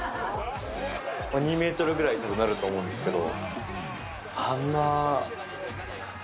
２メートルぐらいになると思うんですけど。